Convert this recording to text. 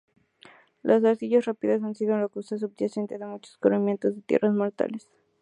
Las arcillas rápidas han sido la causa subyacente de muchos corrimientos de tierra mortales.